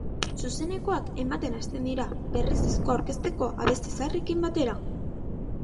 Zuzenekoak ematen hasten dira berriz diskoa aurkezteko abesti zaharrekin batera.